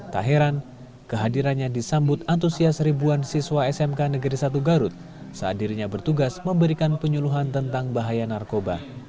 tak heran kehadirannya disambut antusias ribuan siswa smk negeri satu garut saat dirinya bertugas memberikan penyuluhan tentang bahaya narkoba